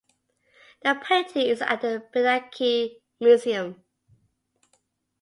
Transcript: The painting is at the Benaki Museum.